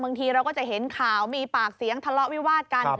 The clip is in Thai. บางทีเราก็จะเห็นข่าวมีปากเสียงทะเลาะวิวาดกัน